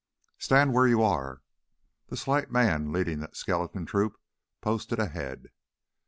"Stand where you are!" The slight man leading that skeleton troop posted ahead.